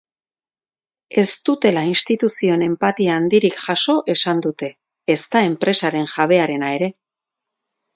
Ez dutela instituzioen enpatia handirik jaso esan dute, ezta enpresaren jabearena ere.